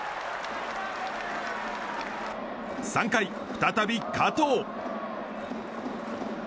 ３回、再び加藤。